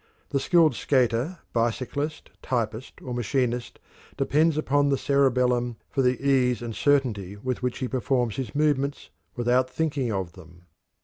The skilled skater, bicyclist, typist, or machinist depends upon the cerebellum for the ease and certainty with which he performs his movements "without thinking of them."